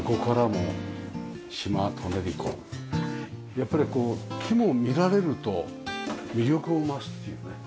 やっぱりこう木も見られると魅力を増すっていうかね。